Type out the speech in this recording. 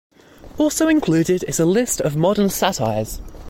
Also included is a list of modern satires.